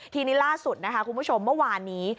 ทีนี้ล่าสุดนะคะคุณผู้ชมเมื่อวานนี้